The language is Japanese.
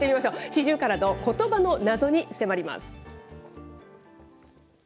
シジュウカラのことばの謎に迫ります。